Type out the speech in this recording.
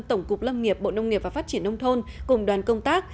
tổng cục lâm nghiệp bộ nông nghiệp và phát triển nông thôn cùng đoàn công tác